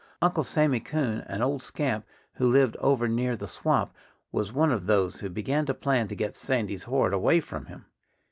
Uncle Sammy Coon, an old scamp who lived over near the swamp, was one of those who began to plan to get Sandy's hoard away from him.